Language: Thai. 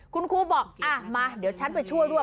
คุณครูบอกมาเดี๋ยวฉันไปช่วยด้วย